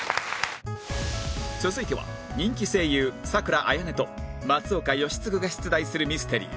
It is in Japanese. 続いては人気声優佐倉綾音と松岡禎丞が出題するミステリー